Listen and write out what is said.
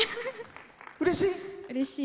うれしい？